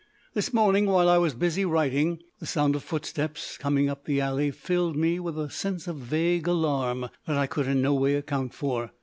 This morning, while I was busy writing, the sound of footsteps coming up the alley filled me with a sense of vague alarm that I could in no way account for.